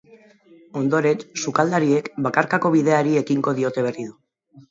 Ondoren, sukaldariek bakarkako bideari ekingo diote berriro.